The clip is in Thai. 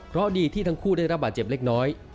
เพราะดีที่ทั้งคู่ได้รับบาดเจ็บเล็กน้อย